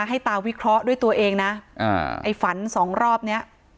ให้ตาวิเคราะห์ด้วยตัวเองนะอ่าไอ้ฝันสองรอบเนี้ย